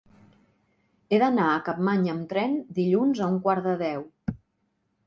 He d'anar a Capmany amb tren dilluns a un quart de deu.